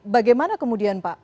bagaimana kemudian pak